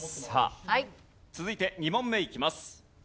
さあ続いて２問目いきます。